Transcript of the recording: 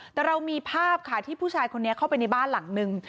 แต่เรามีภาพค่ะที่ผู้ชายคนนี้เข้าไปในบ้านหลังนึง